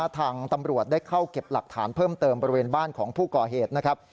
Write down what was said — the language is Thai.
ทางตำรวจได้เข้าเก็บหลักฐานเพิ่มเติมบริเวณบ้านของผู้ก่อเหตุนะครับ